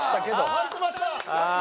待ってました！